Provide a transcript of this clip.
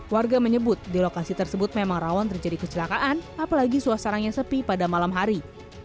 warga menyebut di lokasi tersebut memang rawan terjadi kecelakaan apalagi suasananya sepi pada malam hari